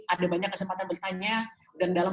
ada banyak kesempatan bertanya dan dalam